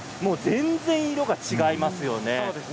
全然色が違いますよね。